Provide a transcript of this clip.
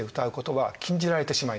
はい。